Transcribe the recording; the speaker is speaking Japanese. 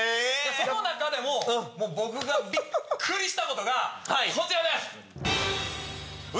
その中でも僕がビックリしたことがこちらです。